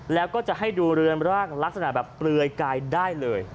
แล้วก็จะให้ดูเรือนร่างลักษณะแบบเปลือยกายได้เลย